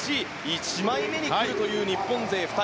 １枚目に来るという日本勢２人。